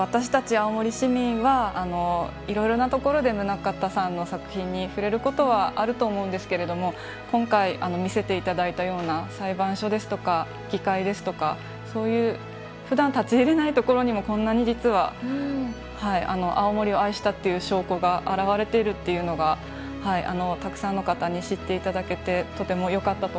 青森市民はいろいろなところで棟方さんの作品に触れることはあると思うんですけれども今回見せていただいたような裁判所ですとか議会ですとかそういうふだん立ち入れない所にもこんなに実は青森を愛したっていう証拠が表れているっていうのがたくさんの方に知っていただけてとてもよかったと思います。